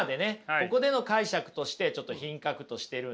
ここでの解釈としてちょっと「品格」としてるんですね。